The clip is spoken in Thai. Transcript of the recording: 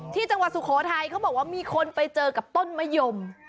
ที่จังหวัดสุโขทัยเขาบอกว่ามีคนไปเจอกับต้นมะยม